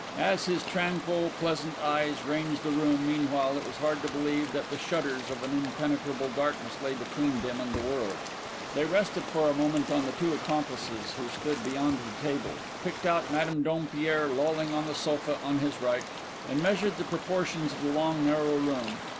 As his tranquil, pleasant eyes ranged the room meanwhile it was hard to believe that the shutters of an impenetrable darkness lay between them and the world. They rested for a moment on the two accomplices who stood beyond the table, picked out Madame Dompierre lolling on the sofa on his right, and measured the proportions of the long, narrow room.